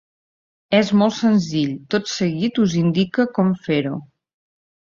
És molt senzill, tot seguit us indique com fer-ho.